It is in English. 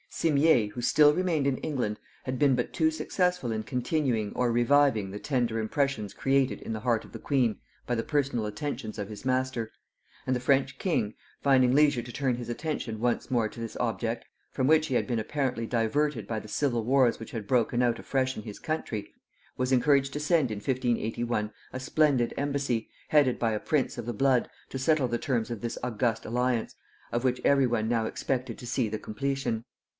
Simier, who still remained in England, had been but too successful in continuing or reviving the tender impressions created in the heart of the queen by the personal attentions of his master; and the French king, finding leisure to turn his attention once more to this object, from which he had been apparently diverted by the civil wars which had broken out afresh in his country, was encouraged to send in 1581 a splendid embassy, headed by a prince of the blood, to settle the terms of this august alliance, of which every one now expected to see the completion.